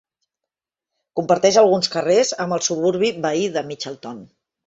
Comparteix alguns carrers amb el suburbi veí de Mitchelton.